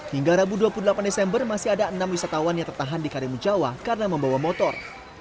hingga rabu dua puluh delapan desember masih ada enam wisatawan yang tertahan di karimun jawa karena membawa motor